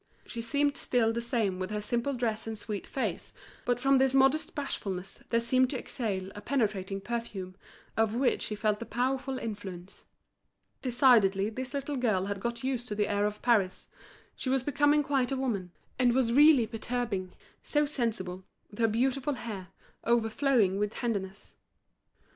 She seemed still the same with her simple dress and sweet face; but from this modest bashfulness, there seemed to exhale a penetrating perfume, of which he felt the powerful influence. Decidedly this little girl had got used to the air of Paris, she was becoming quite a woman, and was really perturbing, so sensible, with her beautiful hair, overflowing with tenderness.